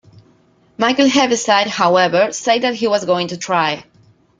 Michael Heaviside, however, said that he was going to try.